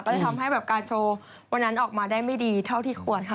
ก็เลยทำให้แบบการโชว์วันนั้นออกมาได้ไม่ดีเท่าที่ควรค่ะ